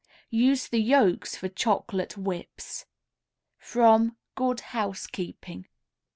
Use the yolks for chocolate whips. _From "Good Housekeeping."